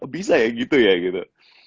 bisa ya gitu ya gitu